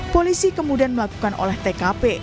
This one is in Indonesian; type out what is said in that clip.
polisi kemudian melakukan olah tkp